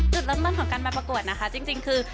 จุดเริ่มของการมาประกวดจริงคือ